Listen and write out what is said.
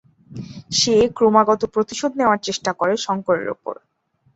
সে ক্রমাগত প্রতিশোধ নেওয়ার চেষ্টা করে শঙ্করের ওপর।